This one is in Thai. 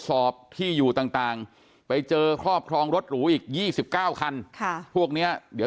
สอบที่อยู่ต่างไปเจอครอบครองรถหรูอีก๒๙คันพวกนี้เดี๋ยว